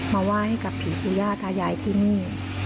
มาว่าให้กับผีครัวยาที่นี่